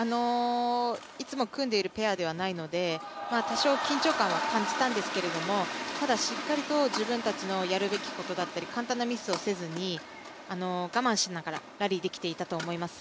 いつも組んでいるペアではないので多少、緊張感は感じたんですがただ、しっかりと自分たちのやるべきことだったり簡単なミスをせずに我慢しながらラリーできていたと思います。